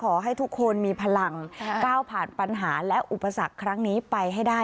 ขอให้ทุกคนมีพลังก้าวผ่านปัญหาและอุปสรรคครั้งนี้ไปให้ได้